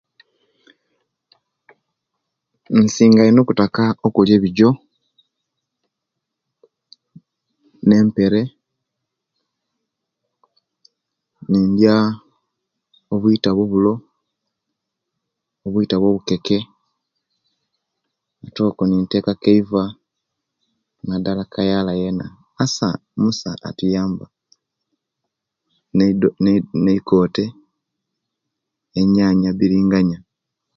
Nsinga ino okutaka okuliya ebijo, nempere nindiya obwita bwobulo obwta bwobukeke ate okwo nitekaku eiva nadala kayala asa musa atuyamba nei do neikote ne yanya biringanya